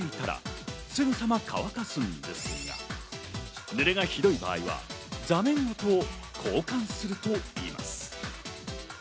もしぬれていたら、すぐさま乾かすのですが、ぬれがひどい場合は座面ごと交換するといいます。